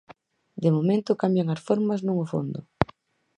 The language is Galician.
De momento, cambian as formas, non o fondo.